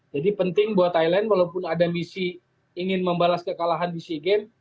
jadi penting buat thailand walaupun ada misi ingin membalas kekalahan di sea games